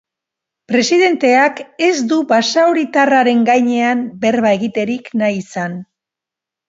Presidenteak ez du basauritarraren gainean berba egiterik nahi izan.